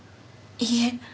いいえ。